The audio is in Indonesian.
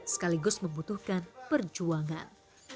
sekaligus membutuhkan perjuangan